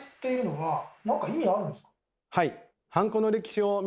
はい。